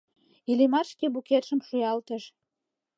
Иллимар шке букетшым шуялтыш.